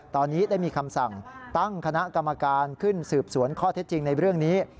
ตอนนี้ได้มีคำสั่งตั้งคณะกรรมการขึ้นสืบสวนข้อเท็จจริงในเรื่องนี้